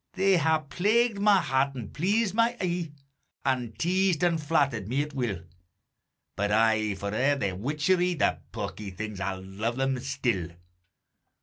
They hae plagued my heart an' pleased my e'e, An' teased an' flattered me at will, But aye for a' their witcherye, The pawky things I lo'e them still.